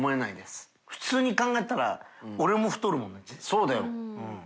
そうだよ。